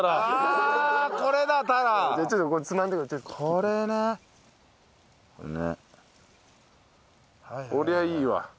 こりゃいいわ。